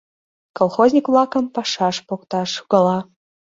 Колхозник-влакым пашаш покташ гала.